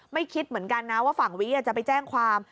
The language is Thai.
คิดเหมือนกันนะว่าฝั่งวิจะไปแจ้งความ